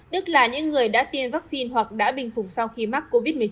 tức là những người đã tiêm vaccine hoặc đã bình phục sau khi mắc covid một mươi chín